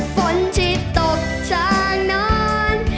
ฝนที่ตกทางนอน